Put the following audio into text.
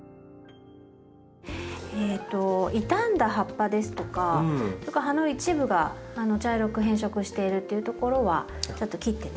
えと傷んだ葉っぱですとか葉の一部が茶色く変色しているっていうところはちょっと切ってね